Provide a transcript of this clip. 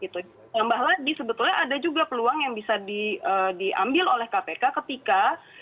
tambah lagi sebetulnya ada juga peluang yang bisa diambil oleh kpk ketika